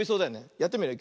やってみるよ。